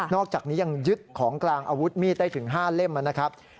อกจากนี้ยังยึดของกลางอาวุธมีดได้ถึง๕เล่มนะครับ